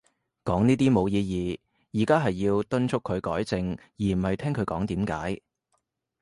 講呢啲冇意義。而家係要敦促佢改正，而唔係聽佢講點解